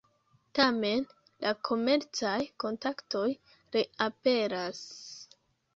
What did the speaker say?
Tamen, la komercaj kontaktoj reaperas.